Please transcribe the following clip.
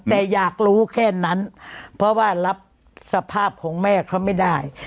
แต่อยากรู้แค่นั้นเพราะว่ารับสภาพของแม่เขาไม่ได้